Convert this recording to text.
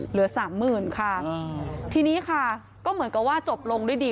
เหลือสามหมื่นค่ะทีนี้ค่ะก็เหมือนกับว่าจบลงด้วยดี